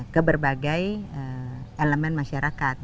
ke berbagai elemen masyarakat